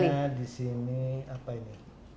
misalnya disini apa ini